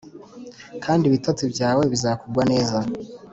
kandi ibitotsi byawe bizakugwa neza